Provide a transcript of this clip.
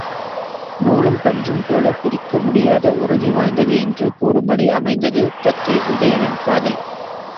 நூலும் பஞ்சும் போலப் பிரிக்க முடியாத உறுதி வாய்ந்தது என்று கூறும்படி அமைந்தது தத்தை உதயணன் காதல்.